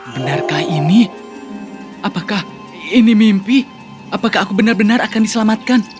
benarkah ini apakah ini mimpi apakah aku benar benar akan diselamatkan